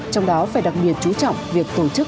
trong đó phải đặc biệt chú trọng việc tổ chức